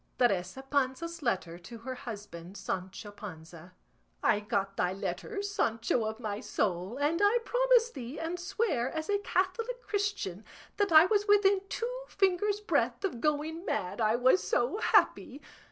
TERESA PANZA'S LETTER TO HER HUSBAND SANCHO PANZA. I got thy letter, Sancho of my soul, and I promise thee and swear as a Catholic Christian that I was within two fingers' breadth of going mad I was so happy.